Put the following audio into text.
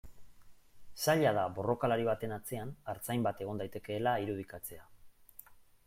Zaila da borrokalari baten atzean artzain bat egon daitekeela irudikatzea.